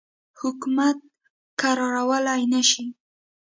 حکومت کرارولای نه شي.